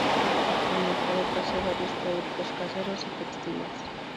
El mercado ofrece varios productos caseros y textiles.